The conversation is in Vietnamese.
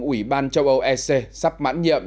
ủy ban châu âu sc sắp mãn nhiệm